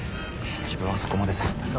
自分はそこまでじゃ